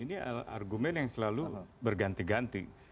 ini argumen yang selalu berganti ganti